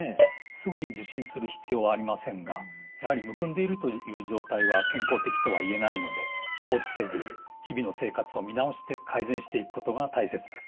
すぐに受診する必要はありませんがやはりむくんでいるという状態は健康的とはいえないので放置せず日々の生活を見直して改善していくことが大切です。